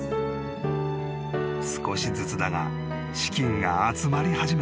［少しずつだが資金が集まり始めた］